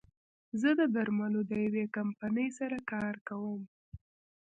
زه د درملو د يوې کمپنۍ سره کار کوم